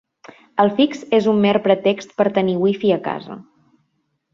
El fix és un mer pretext per tenir wifi a casa.